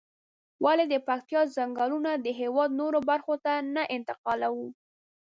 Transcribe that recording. ولې د پکتيا ځنگلونه د هېواد نورو برخو ته نه انتقالوو؟